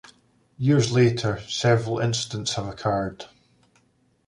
Years later, several incidents have occurred.